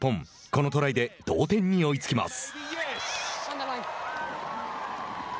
このトライで同点に追いつきます。